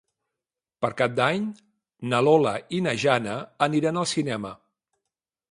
Per Cap d'Any na Lola i na Jana aniran al cinema.